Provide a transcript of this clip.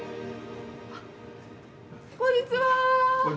こんにちは。